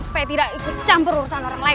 supaya tidak ikut campur urusan orang lain